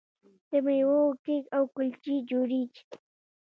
د میوو کیک او کلچې جوړیږي.